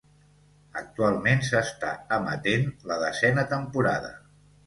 Actualment s'està emetent la desena temporada.